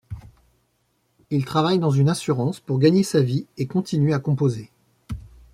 Il travaille dans une assurance pour gagner sa vie et continue à composer.